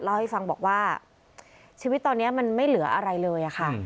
เล่าให้ฟังบอกว่าชีวิตตอนนี้มันไม่เหลืออะไรเลยค่ะ